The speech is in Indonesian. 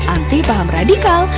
anti paham radikal